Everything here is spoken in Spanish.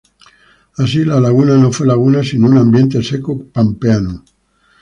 Así, la laguna no fue laguna, sino un ambiente seco pampeano.